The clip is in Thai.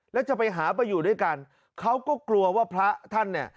แล้วจะไปหาไปอยู่ด้วยกันเขาก็กลัวว่าพระท่านเนี่ย